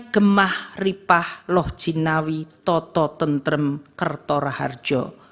kemah ripah loh cinawi toto tentrem kertora harjo